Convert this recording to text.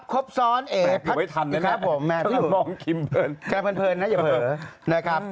ขอมองกิ้มเผิน